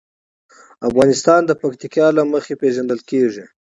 افغانستان د پکتیکا له مخې پېژندل کېږي.